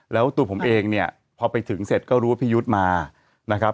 แล้วตัวผมเองเนี่ยพอไปถึงเสร็จก็รู้ว่าพี่ยุทธ์มานะครับ